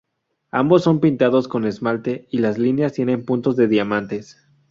Ambos son pintados con esmalte y las líneas tienen puntos de diamantes.